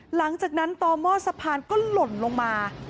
หลังจากนั้นต่อหม้อสะพานก็หล่นลงมา